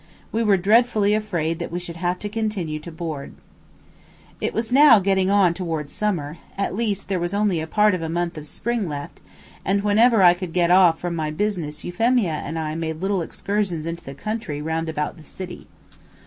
We were dreadfully afraid that we should have to continue to board. It was now getting on toward summer, at least there was only a part of a month of spring left, and whenever I could get off from my business Euphemia and I made little excursions into the country round about the city.